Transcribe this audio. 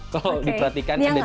kalau diperhatikan ada detail kecil